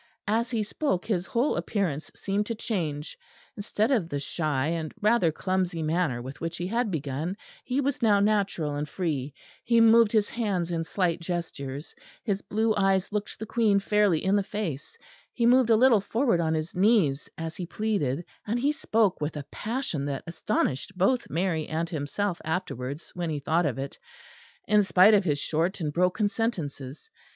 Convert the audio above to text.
As he spoke his whole appearance seemed to change; instead of the shy and rather clumsy manner with which he had begun, he was now natural and free; he moved his hands in slight gestures; his blue eyes looked the Queen fairly in the face; he moved a little forward on his knees as he pleaded, and he spoke with a passion that astonished both Mary and himself afterwards when he thought of it, in spite of his short and broken sentences.